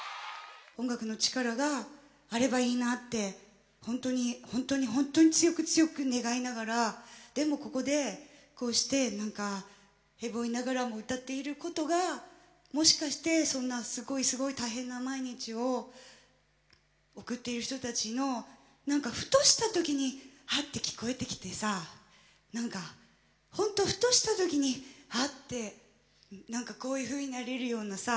音楽の力があればいいなってほんとにほんとにほんとに強く強く願いながらでもここでこうして何かへぼいながらも歌っていることがもしかしてそんなすごいすごい大変な毎日を送っている人たちの何かふとした時にハッて聞こえてきてさ何かほんとふとした時にハッてこういうふうになれるようなさ